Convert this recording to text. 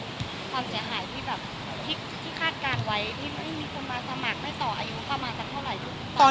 ความเสียหายที่คาดการณ์ไว้มีคนมาสมัครไม่ต่ออายุกำลังจะเท่าไหร่หรือเปล่า